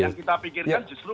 yang kita pikirkan justru